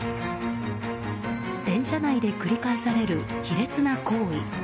電車内で繰り返される卑劣な行為。